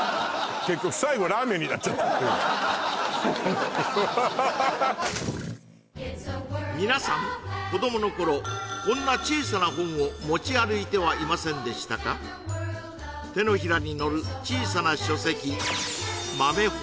結局皆さん子どもの頃こんな小さな本を持ち歩いてはいませんでしたか手のひらに載る小さな書籍